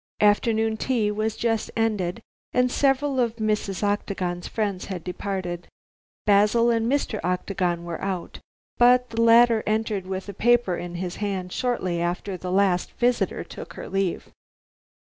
Afternoon tea was just ended, and several of Mrs. Octagon's friends had departed. Basil and Mr. Octagon were out, but the latter entered with a paper in his hand shortly after the last visitor took her leave.